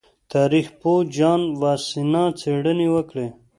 تاریخ پوه جان واسینا څېړنې وکړې.